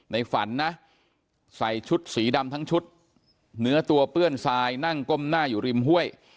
ในฝันนะใส่ชุดสีดำทั้งชุดเนื้อตัวเปื้อนทรายนั่งก้มหน้าอยู่ริมห้วย